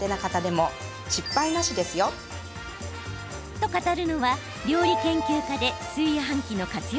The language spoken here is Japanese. と語るのは、料理研究家で炊飯器の活用